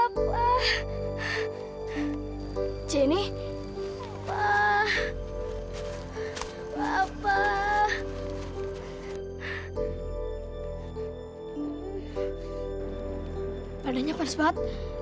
padahal pedas banget